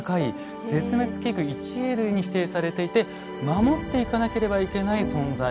「絶滅危惧ⅠＡ類」に指定されていて守っていかなければいけない存在なんです。